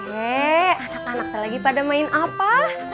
ye anak anaknya lagi pada main apa